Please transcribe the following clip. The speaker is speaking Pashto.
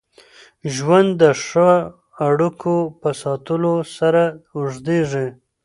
ژوند د ښو اړیکو په ساتلو سره اوږدېږي.